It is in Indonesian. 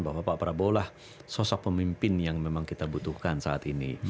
bahwa pak prabowo lah sosok pemimpin yang memang kita butuhkan saat ini